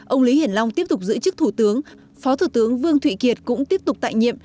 ông lý hiển long tiếp tục giữ chức thủ tướng phó thủ tướng vương thụy kiệt cũng tiếp tục tại nhiệm